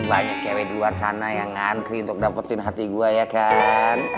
banyak cewek di luar sana yang ngantri untuk dapetin hati gue ya kan